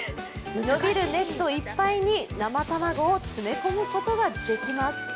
伸びるネットいっぱいに生卵を詰め込むことができます。